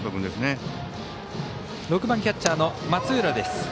６番、キャッチャーの松浦。